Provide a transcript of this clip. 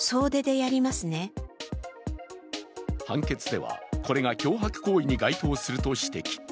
判決では、これが脅迫行為に該当すると指摘。